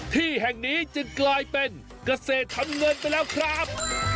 ที่แห่งนี้จึงกลายเป็นเกษตรทำเงินไปแล้วครับ